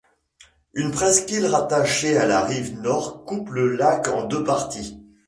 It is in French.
Une presqu’île rattachée à la rive nord coupe le lac en deux parties.